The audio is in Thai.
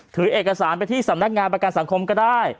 ถือเอกสารไปที่สำนักงานประกันสังคมก็ได้